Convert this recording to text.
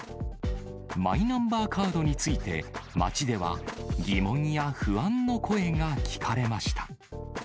マイナンバーカードについて、街では疑問や不安の声が聞かれました。